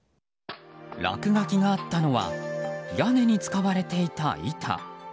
落書きがあったのは屋根に使われていた板。